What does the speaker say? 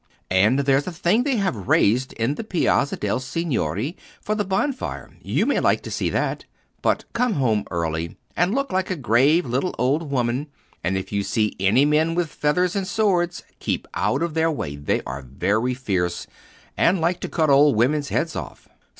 And there's a thing they have raised in the Piazza de' Signori for the bonfire. You may like to see that. But come home early, and look like a grave little old woman; and if you see any men with feathers and swords, keep out of their way: they are very fierce, and like to cut old women's heads off."